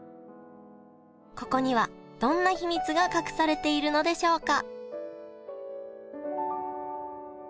ここにはどんな秘密が隠されているのでしょうか？